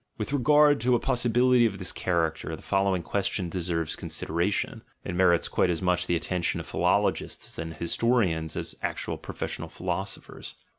With regard to a possibility of this char acter, the following question deserves consideration. It mer its quite as much the attention of philologists and historians as of actual professional philosophers.